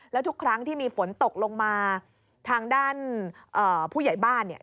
แล้วทุกครั้งที่มีฝนตกลงมาทางด้านผู้ใหญ่บ้านเนี่ย